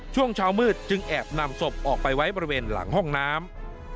ช่วงเช้ามืดจึงแอบนำศพออกไปไว้บริเวณหลังห้องน้ำ